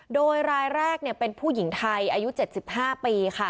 โดยรายแรกเนี่ยเป็นผู้หญิงไทยอายุเจ็ดสิบห้าปีค่ะ